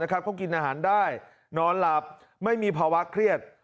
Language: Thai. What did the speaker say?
เขากินอาหารได้นอนหลับไม่มีภาวะเครียด